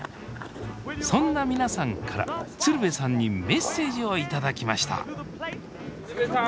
そんな皆さんから鶴瓶さんにメッセージを頂きました鶴瓶さん！